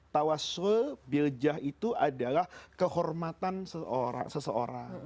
tawassul biljah itu adalah kehormatan seorang